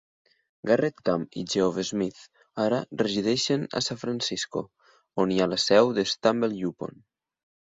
Garrett Camp i Geoff Smith ara resideixen a San Francisco, on hi ha la seu de StumbleUpon.